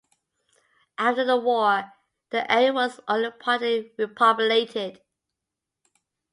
After the war the area was only partly repopulated.